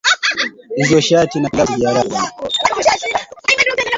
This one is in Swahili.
Sisi ni chama cha Amani, chama cha utawala wa sharia